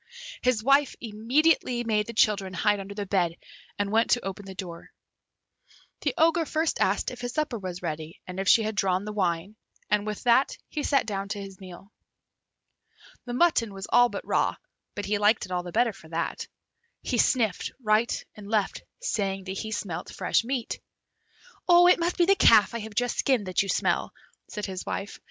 His wife immediately made the children hide under the bed, and went to open the door. The Ogre first asked if his supper was ready and if she had drawn the wine, and with that he sat down to his meal. The mutton was all but raw, but he liked it all the better for that. He sniffed right and left, saying that he smelt fresh meat. "It must be the calf I have just skinned that you smell," said his wife.